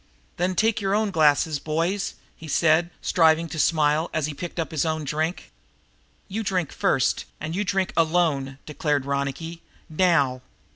"Then take your own glasses, boys," he said, striving to smile, as he picked up his own drink. "You drink first, and you drink alone," declared Ronicky. "Now!"